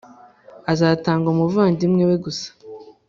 azatanga umuvandimwe we gusa